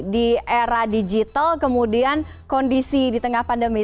di era digital kemudian kondisi di tengah pandemi